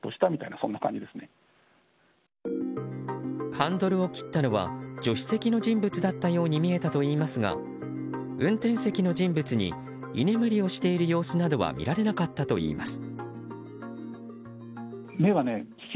ハンドルを切ったのは助手席の人物だったように見えたといいますが運転席の人物に居眠りをしている様子などは見られなかったといいます。